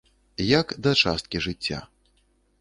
Як да часткі жыцця.